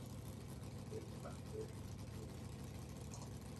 Vive sin lujos en un cuarto de Londres.